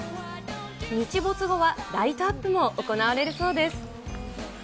日没後はライトアップも行われるそうです。